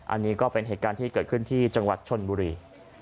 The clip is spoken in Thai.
อันนี้ก็เป็นเหตุการณ์ที่เกิดขึ้นที่จังหวัดชนบุรี